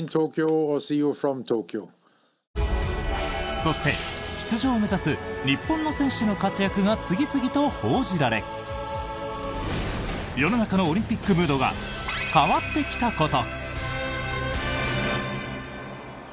そして、出場を目指す日本の選手の活躍が次々と報じられ世の中のオリンピックムードが変わってきたこと。